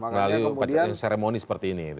jadi ini adalah seremoni seperti ini